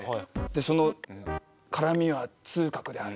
その「辛みは痛覚である。